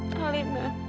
dan mila juga lupa